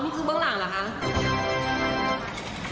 อ๋อนี่คือเบื้องหลังเหรอคะ